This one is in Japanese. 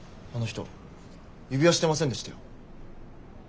あの人指輪してませんでしたよ。